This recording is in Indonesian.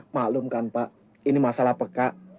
maklum kan pak ini masalah peka